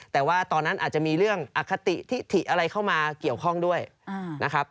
แต่ว่าตอนนั้นอาจจะมีเรื่องอคติทิถิอะไรเข้ามาเกี่ยวข้องด้วยนะครับ